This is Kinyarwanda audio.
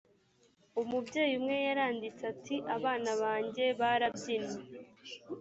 umubyeyi umwe yaranditse ati abana banjye barabyinnye